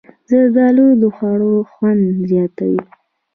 زردالو د خوړو خوند زیاتوي.